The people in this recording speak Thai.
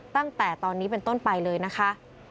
ตั้งแต่ตอนนี้เป็นต้นไปเลยนะคะ